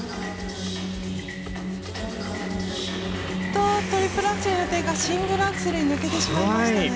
おっとトリプルアクセルの予定がシングルアクセルに抜けてしまいましたね。